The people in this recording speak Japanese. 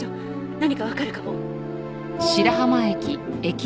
何かわかるかも。